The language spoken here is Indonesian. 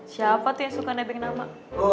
siapa tuh yang suka nebeng nama